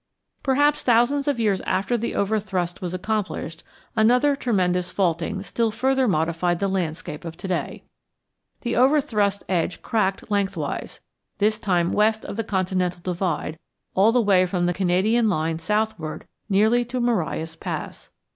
Perhaps thousands of years after the overthrust was accomplished another tremendous faulting still further modified the landscape of to day. The overthrust edge cracked lengthwise, this time west of the continental divide all the way from the Canadian line southward nearly to Marias Pass.